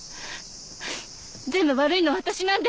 全部悪いのは私なんです。